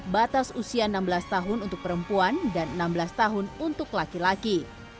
batas usia enam belas tahun untuk perempuan dan enam belas tahun untuk laki laki